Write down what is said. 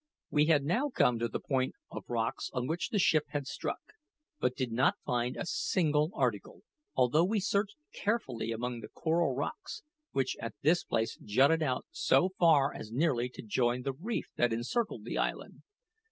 We had now come to the point of rocks on which the ship had struck, but did not find a single article, although we searched carefully among the coral rocks, which at this place jutted out so far as nearly to join the reef that encircled the island.